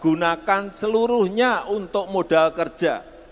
gunakan seluruhnya untuk modal kerja